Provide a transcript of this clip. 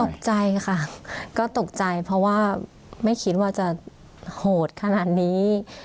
ตกใจค่ะก็ตกใจเพราะว่าไม่คิดว่าจะโหดขนาดนี้